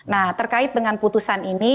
nah terkait dengan putusan ini